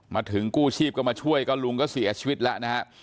กู้ชีพก็มาช่วยก็ลุงก็เสียชีวิตแล้วนะฮะ